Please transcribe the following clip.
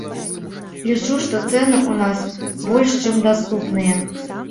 Лічу, што цэны ў нас больш чым даступныя.